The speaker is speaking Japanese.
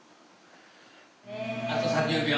あと３０秒。